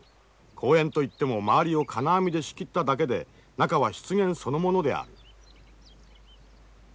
公園といっても周りを金網で仕切っただけで中は湿原そのものである。